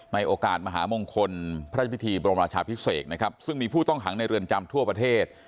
ในโอกาสมหามงคลพระราชพิธีบรมราชาพิเศษนะครับซึ่งมีผู้ต้องขังในเรือนจำทั่วประเทศ